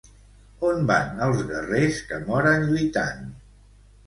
On van els guerrers que moren lluitant?